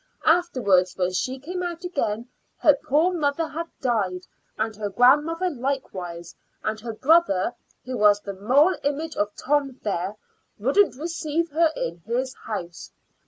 Afterwards, when she came out again, her poor mother had died, and her grandmother likewise; and her brother, who was the moral image of Tom there, wouldn't receive her in his house.